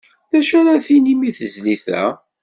D acu ara tinim di tezlit-a?